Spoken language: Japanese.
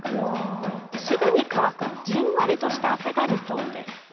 すぐに乾くじんわりとした汗が理想です。